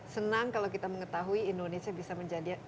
senang kalau kita mengetahui indonesia bisa menjadi bagian dari dunia